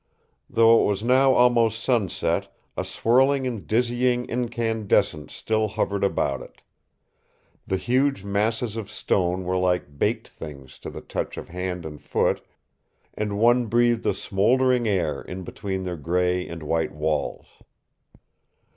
Though it was now almost sunset, a swirling and dizzying incandescence still hovered about it. The huge masses of stone were like baked things to the touch of hand and foot, and one breathed a smoldering air in between their gray and white walls.